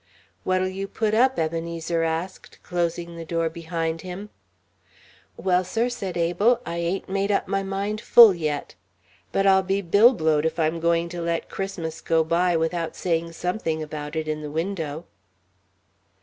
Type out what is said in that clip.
"What'll you put up?" Ebenezer asked, closing the door behind him. "Well, sir," said Abel, "I ain't made up my mind full yet. But I'll be billblowed if I'm going to let Christmas go by without saying something about it in the window."